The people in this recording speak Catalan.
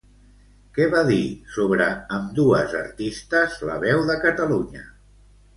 Què va dir sobre ambdues artistes La Veu de Catalunya?